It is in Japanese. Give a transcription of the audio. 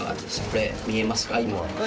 これ見えますか？